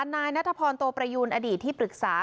นายนัทพรโตประยูนอดีตที่ปรึกษา